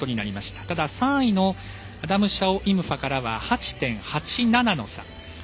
ただ、３位のアダム・シャオイムファからは８．８７の差。